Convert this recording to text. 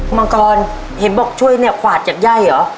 มังกรเห็นบอกช่วยเนี่ยขวาดจากไย่เหรอ